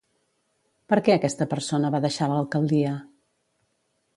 Per què aquesta persona va deixar l'alcaldia?